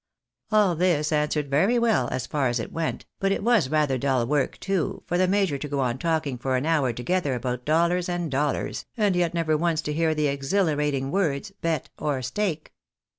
All this answered very well, as far as it went, but it was rather dull work, too, for the major to go on talking for an hour together about dollars and dollars, and yet never once to hear the exhilarat ing words, bet or stake.